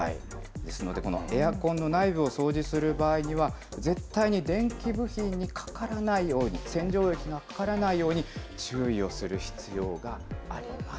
ですので、このエアコンの内部を掃除する場合には、絶対に電気部品にかからないように、洗浄液がかからないように注意をする必要があります。